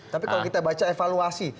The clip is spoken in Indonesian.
tapi kalau kita baca evaluasi